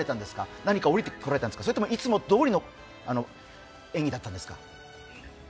何かおりてこられたんですか、それともいつもどおりの演技だったんですか？